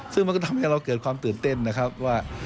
ซึ่งมันก็ทำให้เราเกิดความตื่นเต้นนะครับว่า